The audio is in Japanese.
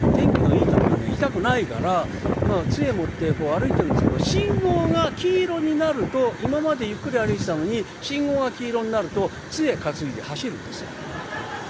痛くないからまあ杖持って歩いてるんですけど信号が黄色になると今までゆっくり歩いてたのに信号が黄色になると杖担いで走るんですよ。